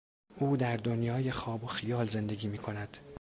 او در دنیای خواب و خیال زندگی میکند.